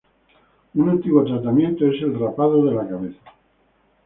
Un antiguo tratamiento es el rapado de la cabeza.